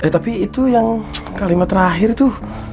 tapi itu yang kalimat terakhir tuh